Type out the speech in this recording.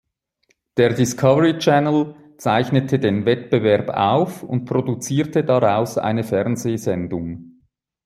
Der Discovery Channel zeichnete den Wettbewerb auf und produzierte daraus eine Fernsehsendung.